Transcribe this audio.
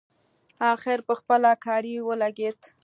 اخر پخپله کاري ولګېد.